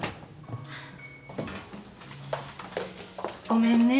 ごめんね。